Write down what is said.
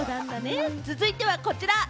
続いてはこちら。